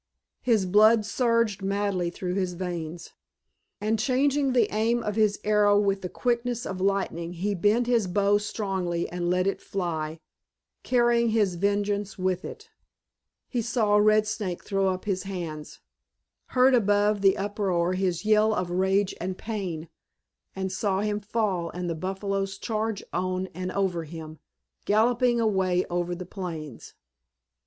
His blood surged madly through his veins. And changing the aim of his arrow with the quickness of lightning he bent his bow strongly and let it fly, carrying his vengeance with it. He saw Red Snake throw up his hands, heard above the uproar his yell of rage and pain, and saw him fall and the buffaloes charge on and over him, galloping away over the plains.